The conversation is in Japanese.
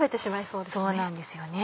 そうなんですよね。